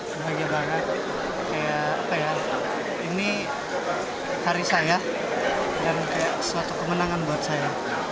saya sangat kebahagiaan ini hari saya dan suatu kemenangan buat saya